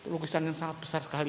lukisan yang sangat besar sekali